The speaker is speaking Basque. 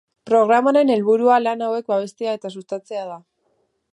Programaren helburua lan hauek babestea eta sustatzea da.